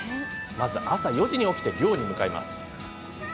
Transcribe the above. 朝４時に起きて漁に向かいます。